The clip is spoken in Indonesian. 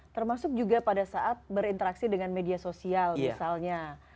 termasuk juga pada saat berinteraksi dengan media sosial misalnya